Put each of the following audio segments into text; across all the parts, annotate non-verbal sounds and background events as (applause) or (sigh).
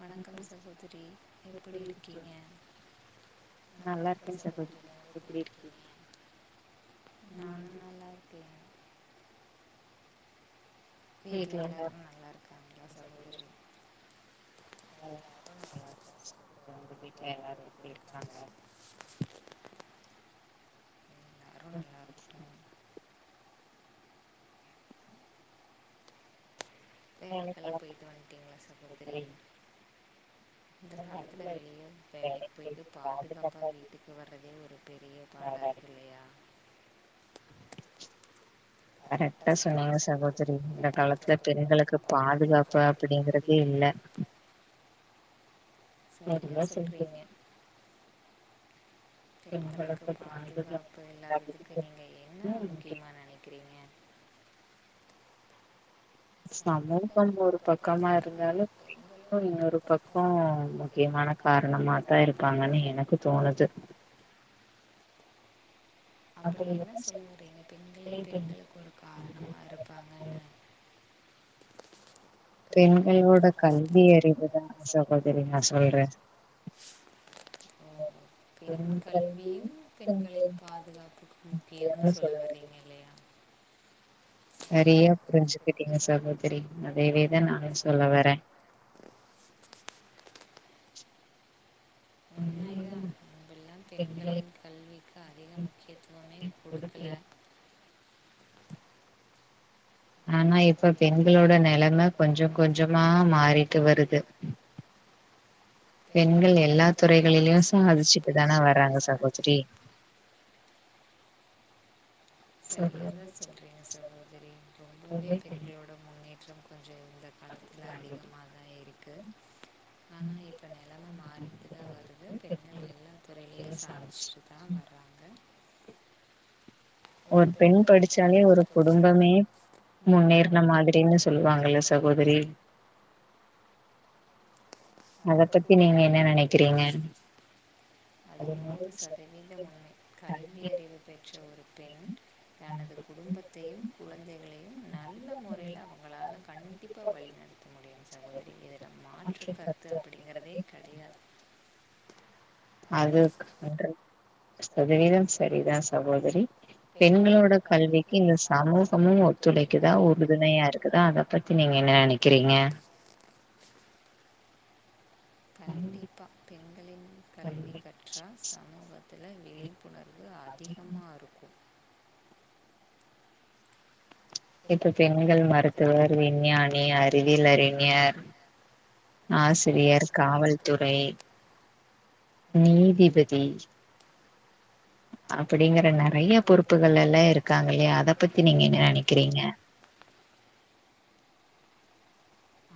வணக்கம் சகோதரி எப்படி இருக்கீங்க நல்லா இருக்கே சகோதரி எப்படி இருக்கீங்க நானும் நல்லாருக்கே வீட்ல எல்லாரும் நல்லா இருக்காங்கலா சகோதரி ம் உங்க வீட்ல எல்லாரும் எப்படி இருக்காங்க (unintelligible) வேலைக்கு எல்லா போயிட்டு வந்துட்டீங்களா சகோதரி இந்த காலத்தில வெளியே வேலைக்கு போயிட்டு பாதுகாப்பாக வீட்டுக்கு வர்றதே ஒரு பெரிய பாடா இருக்கு கரெக்டா சொன்னீங்க சகோதரி இந்த காலத்துல பெண்கள் க்கு பாதுகாப்பு அப்படிங்கறதே இல்ல சரியா சொல்றீங்க பெண்களுக்கு பாதுகாப்பு இல்லாததுக்கு நீங்க என்ன முக்கியமா நெனைக்கிறீங்க சமூகம் ஒரு பக்கமா இருந்தாலும் பெண்களு இன்னொரு பக்கம் முக்கியமா ன காரணமாதா இருக்காங்கன்னு எனக்கு தோணுது அப்படி என்ன சொல்ல வரீங்க பெண்களே பெண்களுக்கு ஒரு காரணமா இருப்பாங்கன்னு பெண்களோட கல்வி அறிவுதா சகோதரி நா சொல்ற ஓ பெண் கல்வியும் பெண்களின் பாதுகாப்புக்கு முக்கியம்னு சொல்ல வரீங்க சரியா புரிஞ்சுக்கிட்டீங்க சகோதரி அதவேதா நானு சொல்ல வர (unintelligible) எல்லா பெண்களின் கல்விக்கு அதிக முக்கியத்துவமே கொடுக்கல ஆனா இப்ப பெண்களோட நெலம கொஞ்ச கொஞ்சமா மாறிட்டு வருது பெண்கள் எல்லா துறைகளிலியு சாதிச்சுட்டு தான வராங்க சகோதரி சரியாதா சொல்றீங்க சகோதரி ரொம்பவே பெண்களோட முன்னேற்றம் கொஞ்ச இந்த காலத்துல அதிகமாகதா இருக்கு ஆனா இப்ப நெலம மாறிட்டுதா வருது பெண்கள் எல்லா துறையிலியு சாதிச்சுட்டுதா வராங்க ஒரு பெண் படிச்சாலே ஒரு குடும்பமே முன்னேறுன மாதிரின்னு சொல்லுவாங்கல்ல சகோதரி அத பத்தி நீங்க என்ன நெனைக்கிறீங்க அது நூறு சதவீதம் உண்மை கல்வியறிவு பெற்ற ஒரு பெண் தனது குடும்பத்தையும் குழந்தைகளையும் நல்ல மொறையில அவங்களால கண்டிப்பா வழிநட ஆன்சர் தப்பு அப்டிங்கிறதே கெடையாது அது (inaudible) ஹண்ட்ரட் சதவீதம் சரிதா சகோதரி பெண்களோட கல்விக்கு இந்த சமூகமும் ஒத்துழைக்குதா உறுதுணையா இருக்குதா அத பத்தி நீங்க என்ன நெனைக்கிறீங்க கண்டிப்பா பெண்களின் கல்வி கற்றா சமூகத்துல விழிப்புணர் வு அதிகமா இருக்கும் இப்ப பெண்கள் மருத்துவர் விஞ்ஞானி அறிவியல் அறிஞர் ஆசிரியர் காவல்துறை நீதிபதி அப்படிங்கற நெறைய பொறுப்புகளெல்லா இருக்காங்க இல்லையா அத பத்தி நீங்க என்ன நெனைக்கிறீங்க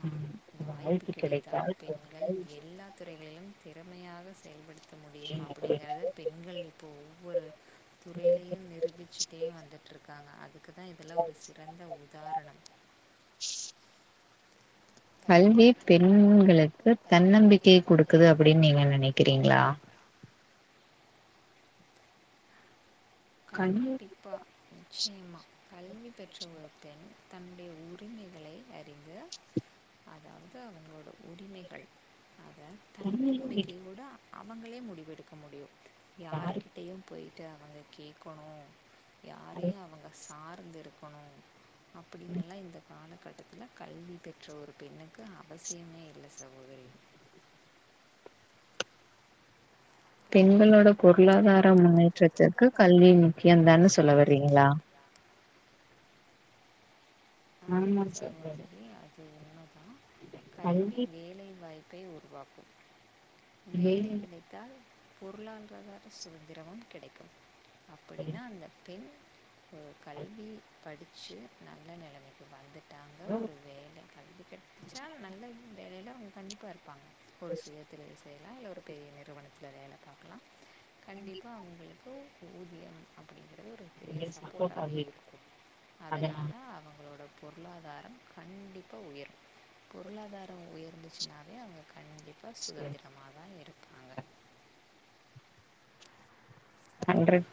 ஆம் வாய்ப்பு கிடைத்தால் பெண்கள் எல்லாத் துறைகளிலும் தெ திறமையாக செயல்படு (inaudible) அப்படிங்கறத பெண்கள் இப்போ ஒவ்வொரு துறையிலையும் நிரூபிச்சிட்டே வந்துட்டுருக்காங்க அது க்குதா இதெல்லா ஒரு சிறந்த உதாரணம் கல்வி பெண்களுக்கு தன்னம்பிக்கை கொடுக்குது அப்படின்னு நீங்க நெனைக்கிறீங்களா? ஹம் கண்டிப்பா நிச்சயமா கல்வி பெற்ற ஒரு பெண் தன்னுடைய உரிமைகளை அறிந்து அதாவது அவுங்ளோட உரிமைகள் அத தன்னம்பிக்கையோட அவங்களே, முடிவெடுக்க முடியு யார்கிட்டையும் போயிட்டு அவங்க கேக்கணு யாரையு அவங்க சார்ந்திருக்கணு அப்டினுலா இந்த காலத் கட்டத்தில கல்வி பெற்ற ஒரு பெண்ணுக்கு அவசியமே இல்ல சகோதரி (inaudible) பெண்களோட பொருளாதார முன்னேற்றத்திற்குக் கல்வி முக்கியந்தான்னு சொல்ல வரீங்ளா? ஆமா சொல்லு கல்வி வேலைவாய்ப்பை உருவாக்கு வேலை கிடைத்தால், பொருளான்ரதாத சுதந்திரமும் கிடைக்கும். அப்படினா, அந்த பெண் ஒ கல்வி படிச்சு, நல்ல நெலமை வாழ்ந்துட்டாங்க, ஒரு வேலை கல்வி கெட்ச்சா, நல்ல வேலைல அவுங்க கண்டிப்பா இருப். பாங்க ஒரு சுயத்தொழில் செய்யலா, இல்ல ஒரு பெரிய நிறுவனத்துல வேல பாக்கலா கண்டிப்பா அவுங்ளுக்கு அப்படிங்கிறது, ஒரு பெரிய சப்போட்டாவே இருக்கும். அதனால அவங்களோட பொருளாதாரம் கண்டிப்பா உயரும், பொருளாதார உயர்ந்துச்சுனாவே அவுங்க கண்டிப்பா, சுதந்திரமாதா இருப் ஹண்ரட்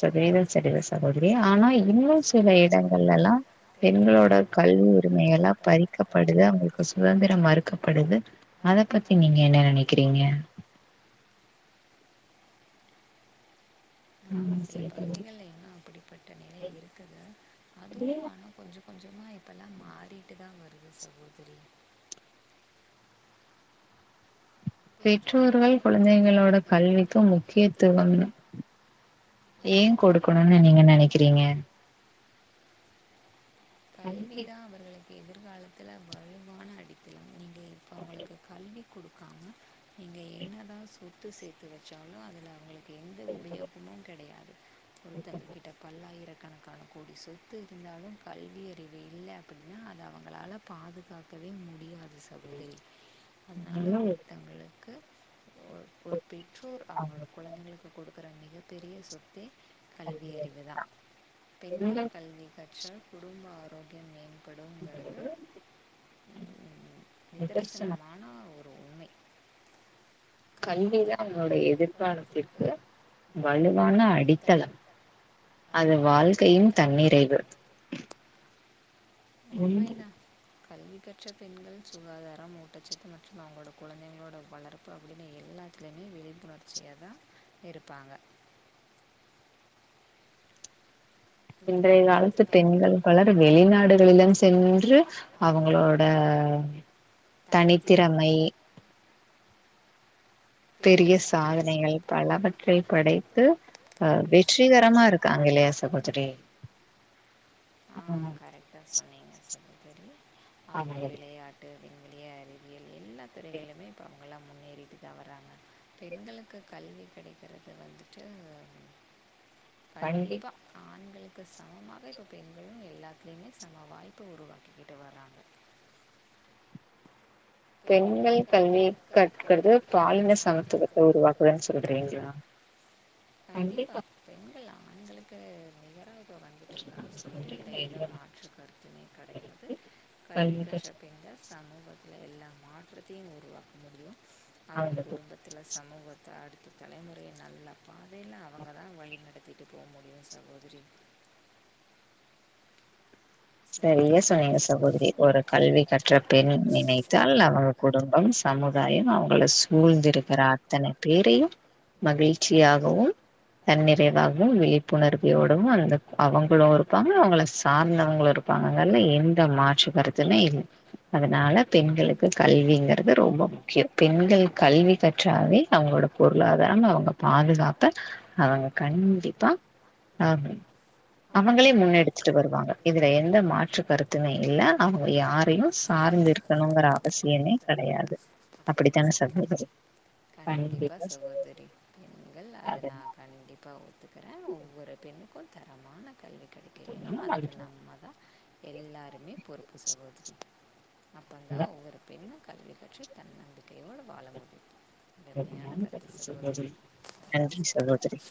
சதவீதம் சரிதா சகோதரி, ஆனா இன்னும் சில இடங்கல்லலா பெண்களோட கல்வி உரிமைலாம் பறிக்கப்படுது, அவுங்ளுக்கு சுதந்திரம் மறுக்கப்படுது அத பத்தி நீங்க என்ன நினைக்கிறீங்க? ஆமா, சில பகுதிகள்ல இன்னு அப்படிப்பட்ட நிலை இருக்குது. அதுவு ஆனா, கொஞ்ச கொஞ்சமா, இப்பலா மாறிட்டுதா வருது சகோதரி பெற்றோர்கள் குழந்தைகளோட கல்விக்கு முக்கியத்துவம் ஏ கொடுக்கணுனு நீங்க நினைக்கிறீங்க? கல்விதா அவர்களை எதிர்காலத்துல வலுவான அடித்தளம், நீங்க இப்போ அவங்களுக்கு கல்வி குடுக்காம நீங்க என்னதா சொத்து சேத்து வச்சாலு, அதுல அவங்களுக்கு எந்த உபயோகமு கிடையாது ஒருத்தங்க கிட்ட பல்லாயிரக்கணக்கான கோடி சொத்து இருந்தாலு கல்வியறிவு இல்ல அப்படினா, அது அவங்களால பாதுகாக்கவே முடியா து சகோதரி, அதனால ஒருத்தங்களுக்கு (inaudible) ஒரு பெற்றோர், அவுங்ளோட குழந்தைகளுக்கு குடுக்குற மிகப் பெரிய சொத்தே, கல்வியறிவுதா பெண்கள் கல்வி கற்றால், குடும்ப ஆரோக்கியம் மேம் படுங்கிறது, ம் நிதர்சனமான ஒரு கல்விதா உன்னோடைய எதிர்காலத்திற்கு, வலுவான அடித்தளம். அது வாழ்க்கையும், தன்னிறைவு உண்மை கல்விக்கற்ற பெண்கள், சுகாதாரம், ஊட்டச்சத்து மற்றும் அவங்ளோட, குழந்தைங்களோட வளர்ப்பு அப்டினு எல்லா எல்லாத்லியுமே விழிப்புணர்ச்சியாதா இருப்பாங்க (inaudible) இன்றைய காலத்துப் பெண்கள் பலர், வெளிநாடுகளிலும் சென்று அவுங்களோட அ தனித்திறமை பெரிய சாதனைகள் பலவற்றைப் படைத்து, அ வெற்றிகரமாருக்காங்க க்ளையாச போட்டுட்டு ஆ கரெக்டா சொன்னீங்க சகோதரி அவுங்க விளையாட்டு எல்லாத் துறைகளிலுமே இப்ப அவுங்கலா முன்னேறிட்டுதா வ ராங்க பெண்களுக்கு கல்வி கெடைக்கறது வந்துட்டு கண்டிப்பா ஆண்களு க்கு சமமாக இப்ப பெண்களு எல்லாத்லியுமே சம வாய்ப்பு உருவாக்கிக்கிட்டு வராங்க (inaudible) பெண்கள் கல்விய கற்கறது பாலின சமத்துவத்த உருவாக்குதுன் சொல்றீங்ளா கண்டிப்பா பெண்கள் ஆண்களுக்கு (unintelligible) வந்துட் இருக்காங்க சகோதரி அதுல எந்த மாற்றுக் கருத்துமே கெடையாது கல்வி கற்ற பெண்கள் சமூகத்துல எல்லா மாற்றத்தையு உருவாக்க முடியு அவுங்க குடும்பத்துல சமூகத்த அடுத்து தலைமுறைய நல்ல பாதேல அவங்க தா வழி நடத்திட்டு போ முடியு சகோதரி சரியா சொன்னீங்க சகோதிரி ஒரு கல்வி கற்ற பெண் நினைத்தால் அவங்க குடும்பம் சமுதாயம் அவுங்கள சூழ்ந்திருக்குற அத்தன பேரையும் மகிழ்ச்சியாகவும் தன்னிறைவாகவும் விழிப்புணர்வியோடவு அந்த அவங்களு இருப்பாங்க அவங்கள சார்ந்தவங்களு இருப் ப்பாங்கல்ல எந்த மாற்று கருத்துமே இல்ல அதுனால பெண்களுக்கு கல்விங்கிறது ரொம்ப முக்கியோ பெண்கள் கல்வி கற்றாவே அவங்களோட பொருளாதாரம் அவுங்க பாதுகாப்ப அவங்க கண்டிப்பா ஆ அவங்களே முன்னெடுத்துட்டு வருவாங்க இத எந்த மாற்று கருத்துமே இல்ல அவுங்க யாரயு சார்ந்து இருக்கணுங்கற அவசியமே கெடையாது அப்புடித்தான சகோதிரி கண்டிப்பா சகோதரி பெண்கள் அத நா கண்டிப்பா ஒத்து கறே ஒவ்வொரு பெண்க்கு கல்வி கெடைக்க வேணு அதுக்கு நம்ம தா எல்லாருமே பொறுப்பு சகோதிரி அப்போந்தா ஒவ்வொரு பெண்ணு கல்வி கற்று தன்நம்பிக்கையோட வாழ முடியு நன்றி சகோதரி அ